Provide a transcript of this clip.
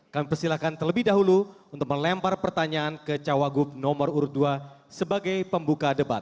kami persilahkan terlebih dahulu untuk melempar pertanyaan ke cawagup nomor urut dua sebagai pembuka debat